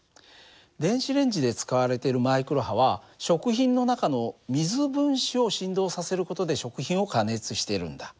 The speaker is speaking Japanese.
電子レンジで使われてるマイクロ波は食品の中の水分子を振動させる事で食品を加熱してるんだ。